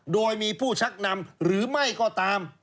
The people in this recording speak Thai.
โดยมีผู้ชักนำหรือไม่ก็ตาม